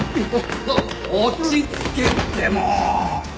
落ち着けってもう！